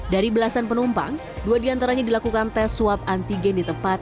dari belasan penumpang dua diantaranya dilakukan tes swab antigen di tempat